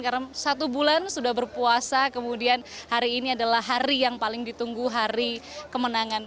karena satu bulan sudah berpuasa kemudian hari ini adalah hari yang paling ditunggu hari kemenangan